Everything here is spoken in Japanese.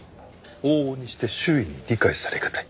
往々にして周囲に理解されがたい。